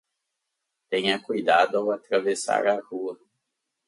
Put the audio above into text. Tenha cuidado ao atravessar a rua